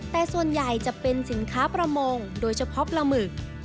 แต่ส่วนใหญ่จะเป็นสินค้าประมงโดยเฉพาะปลาหมึก